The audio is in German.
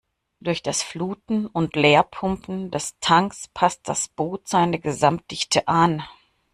Durch das Fluten und Leerpumpen der Tanks passt das Boot seine Gesamtdichte an.